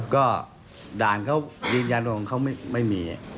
ก็ด่านเขายืนยันว่าเขาไม่มี